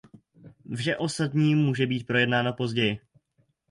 Vše ostatní může být projednáno později.